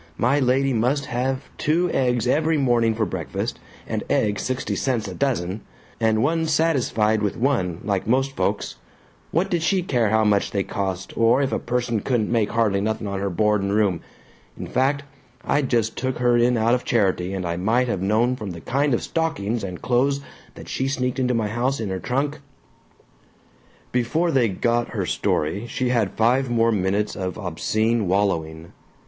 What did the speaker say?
my lady must have two eggs every morning for breakfast, and eggs sixty cents a dozen, and wa'n't satisfied with one, like most folks what did she care how much they cost or if a person couldn't make hardly nothing on her board and room, in fact I just took her in out of charity and I might have known from the kind of stockings and clothes that she sneaked into my house in her trunk " Before they got her story she had five more minutes of obscene wallowing.